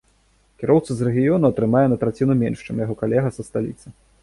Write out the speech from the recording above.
Кіроўца з рэгіёну атрымае на траціну менш, чым яго калега са сталіцы.